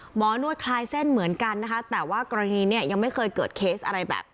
นวดคลายเส้นเหมือนกันนะคะแต่ว่ากรณีเนี่ยยังไม่เคยเกิดเคสอะไรแบบ